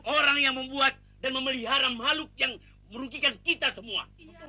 orang yang membuat dan memelihara makhluk yang merugikan kita semua